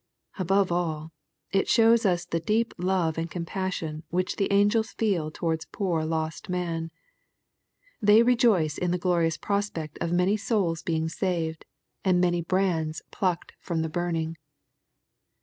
— ^Above all, it shows us the deep love and compassion which the angels feel towards pool lost man. They rejoice in the glorious prospect of many 3* 58 EXPOSITOBT THOUGHTS. Bouls being saved, and many brands plucked from the burning.